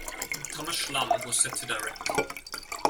Thomas Schlamme was set to direct.